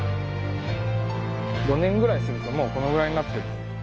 ５年ぐらいするともうこのぐらいになってる。